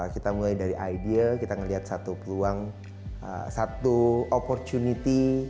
kita mulai dari idea kita melihat satu peluang satu opportunity